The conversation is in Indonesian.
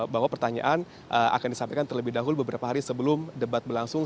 bahwa pertanyaan akan disampaikan terlebih dahulu beberapa hari sebelum debat berlangsung